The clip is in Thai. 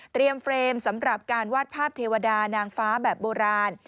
เฟรมสำหรับการวาดภาพเทวดานางฟ้าแบบโบราณ